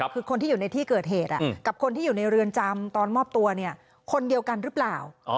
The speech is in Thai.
คือคนที่อยู่ในที่เกิดเหตุกับคนที่อยู่ในเรือนจำตอนมอบตัวเนี่ยคนเดียวกันหรือเปล่า